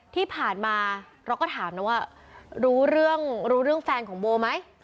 ที่ผ่านมาเราก็ถามนะว่ารู้เรื่องแฟนของโบไหม